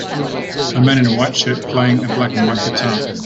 A man in a white shirt playing a black and white guitar.